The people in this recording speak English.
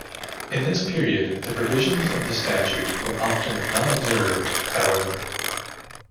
In this period, the provisions of the Statute were often not observed, however.